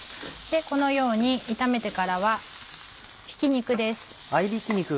このように炒めてからひき肉です。